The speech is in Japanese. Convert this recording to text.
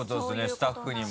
スタッフにも。